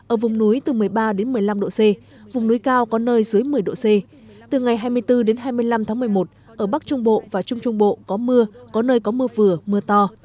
ở vùng núi từ một mươi ba đến một mươi năm độ c vùng núi cao có nơi dưới một mươi độ c từ ngày hai mươi bốn đến hai mươi năm tháng một mươi một ở bắc trung bộ và trung trung bộ có mưa có nơi có mưa vừa mưa to